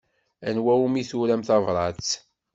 Anwa umi turam tabṛat?